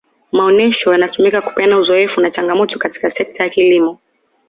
maonesho yanatumika kupeana uzoefu na changamoto katika sekta ya kilimo